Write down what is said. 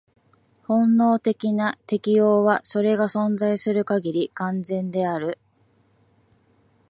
本能的な適応は、それが存在する限り、完全である。